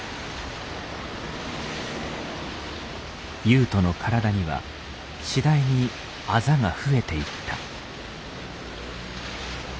優斗の体には次第にアザが増えていった。